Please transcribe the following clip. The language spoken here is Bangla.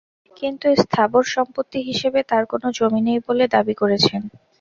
কিন্তু স্থাবর সম্পত্তি হিসেবে তাঁর কোনো জমি নেই বলে দাবি করেছেন।